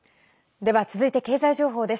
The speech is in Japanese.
では、続いて経済情報です。